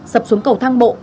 sập xuống cầu thang bộ